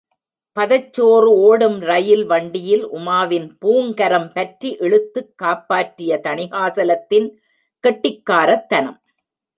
பதச்சோறு ஓடும் ரெயில் வண்டியில் உமாவின் பூங்கரம் பற்றி இழுத்துக் காப்பாற்றிய தணிகாசலத்தின் கெட்டிக்காரத்தனம்.